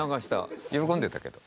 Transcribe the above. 喜んでたけど。